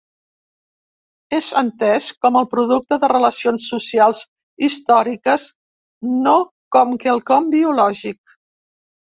És entès com el producte de relacions socials històriques no com quelcom biològic.